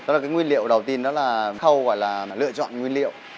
đó là cái nguyên liệu đầu tiên đó là khâu gọi là lựa chọn nguyên liệu